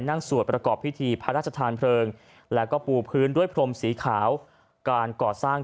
สวดประกอบพิธีพระราชทานเพลิงแล้วก็ปูพื้นด้วยพรมสีขาวการก่อสร้าง